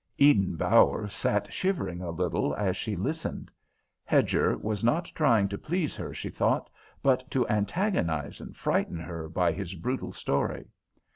Eden Bower sat shivering a little as she listened. Hedger was not trying to please her, she thought, but to antagonize and frighten her by his brutal story.